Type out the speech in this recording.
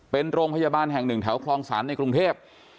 เป็นโรงพยาบาลแห่งหนึ่งแถวคลองศาลในกรุงเทพ